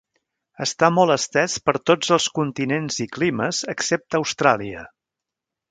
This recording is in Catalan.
Està molt estès per tots els continents i climes excepte a Austràlia.